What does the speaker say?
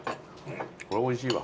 これおいしいわ。